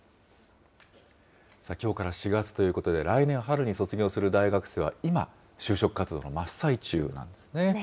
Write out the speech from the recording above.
さあ、きょうから４月ということで、来年春に卒業する大学生は、今、就職活動の真っ最中なんですね。